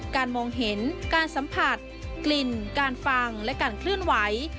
มองเห็นการสัมผัสกลิ่นการฟังและการเคลื่อนไหว